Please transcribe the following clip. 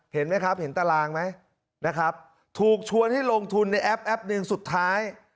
เห็นมั้ยครับเห็นตารางมั้ยถูกชวนให้ลงทุนในแอปแอปหนึ่งสุดท้าย